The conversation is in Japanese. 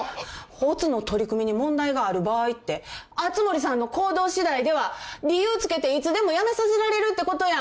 「乙の取り組みに問題がある場合」って熱護さんの行動次第では理由つけていつでも辞めさせられるってことやん。